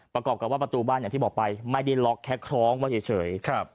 ประกอบกับว่าประตูบ้านอย่างที่บอกไปไม่ได้ล็อกแค่คล้องไว้เฉย